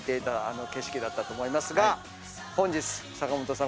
あの景色だったと思いますが。